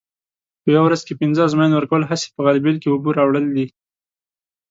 په یوه ورځ کې پینځه ازموینې ورکول هسې په غلبېل کې اوبه راوړل دي.